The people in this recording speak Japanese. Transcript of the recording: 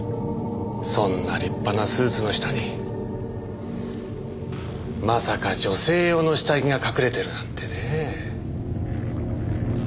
そんな立派なスーツの下にまさか女性用の下着が隠れてるなんてねえ。